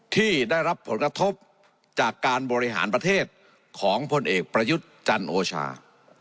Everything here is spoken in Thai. ที่ได้รับผลกระทบจากการบริหารประเทศของพลเอกประยุทธ์จันโอชา